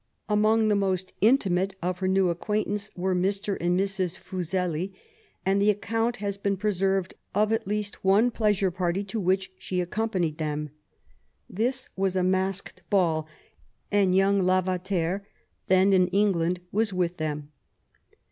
Among the most intimate of her new acquaintances were Mr. and Mrs. Fuseli ; and the account has been preserved of at least one pleasure party to which she accompanied them. This was a masked ball, and young Lavater, then in England^ was with them.